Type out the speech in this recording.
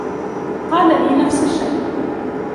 قال لي نفس الشّيء.